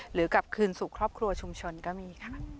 กลับคืนสู่ครอบครัวชุมชนก็มีค่ะ